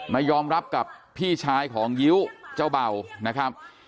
มายอมรับกับพี่ชายของยิ้วเจ้าเบานะครับ